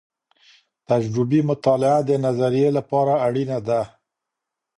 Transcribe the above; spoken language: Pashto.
تجربي مطالعه د نظريې لپاره اړينه ده.